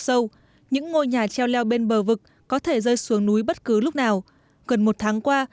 sâu những ngôi nhà treo leo bên bờ vực có thể rơi xuống núi bất cứ lúc nào gần một tháng qua